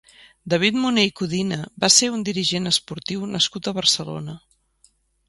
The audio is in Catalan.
David Moner i Codina va ser un dirigent esportiu nascut a Barcelona.